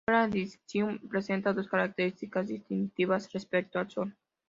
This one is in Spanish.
Iota Piscium presenta dos características distintivas respecto al Sol.